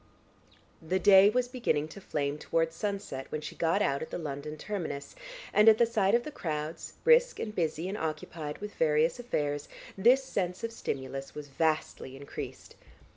The day was beginning to flame towards sunset when she got out at the London terminus, and at the sight of the crowds, brisk and busy and occupied with various affairs, this sense of stimulus was vastly increased.